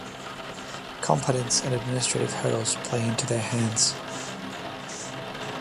Competence and administrative hurdles play into their hands.